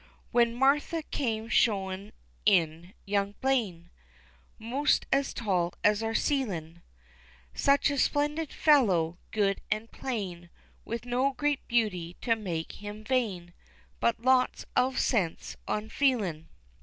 When Martha came showin' in young Blaine, (Most as tall as our ceilin,' Such a splendid fellow, good and plain, With no great beauty to make him vain, But lots of sense an' feelin.